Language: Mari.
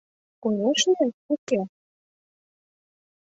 Конешне — уке!